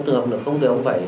của nhà nước